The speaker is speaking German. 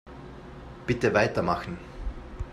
Bitte weitermachen.